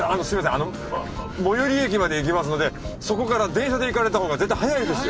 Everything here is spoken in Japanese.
あの最寄り駅まで行きますのでそこから電車で行かれたほうが絶対早いですよ。